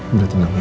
udah tenang ya